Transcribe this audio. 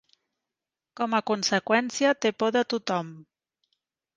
Com a conseqüència té por de tothom.